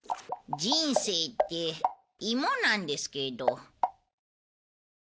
人生ってイモなんですけど。